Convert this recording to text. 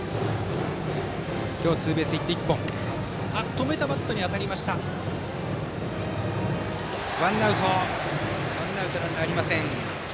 止めたバットに当たってワンアウトランナーありません。